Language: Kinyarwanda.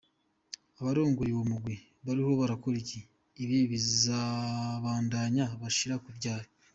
Abarongoye uwo mugwi bariko barakora iki? Ibi bizobandanya gushika ryari?".